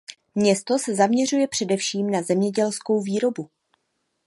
Město se zaměřuje především na zemědělskou výrobu.